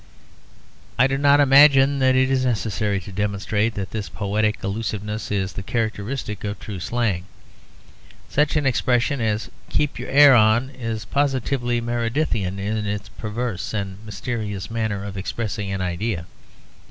I do not imagine that it is necessary to demonstrate that this poetic allusiveness is the characteristic of true slang. Such an expression as 'Keep your hair on' is positively Meredithian in its perverse and mysterious manner of expressing an idea.